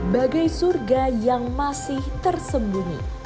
bagai surga yang masih tersembunyi